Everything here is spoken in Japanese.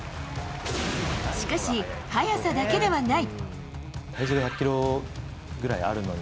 しかし、速さだけではない。